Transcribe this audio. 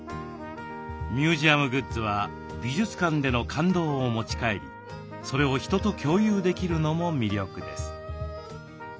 ミュージアムグッズは美術館での感動を持ち帰りそれを人と共有できるのも魅力です。